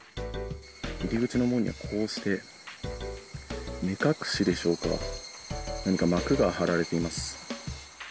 入り口の門には、こうして、目隠しでしょうか、何か幕が張られています。